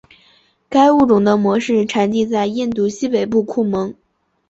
该物种的模式产地在印度西北部库蒙。